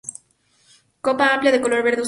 Copa amplia de color verde oscuro.